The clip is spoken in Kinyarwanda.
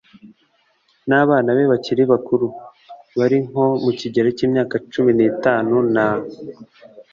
n'abana be babiri bakuru. bari nko mu kigero k'imyaka cumi n'itanu na